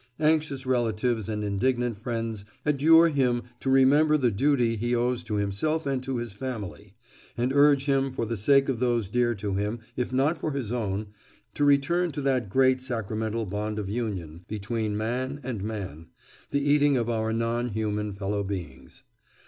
Anxious relatives and indignant friends adjure him to remember the duty he owes to himself and to his family, and urge him for the sake of those dear to him, if not for his own, to return to that great sacramental bond of union between man and man—the eating of our non human fellow beings.